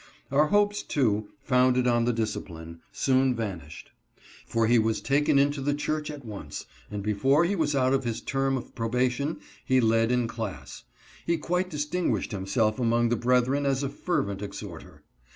Our hopes, too, founded on the disci pline, soon vanished ; for he was taken into the church at once, and before he was out of his term of probation he led in class. He quite distinguished himself among the brethren as a fervent exhorter.